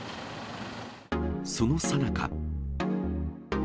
そのさなか。